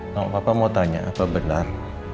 kalau bapak mau tanya apa benar